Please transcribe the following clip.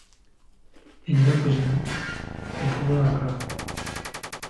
Ennaku zino tetuva waka.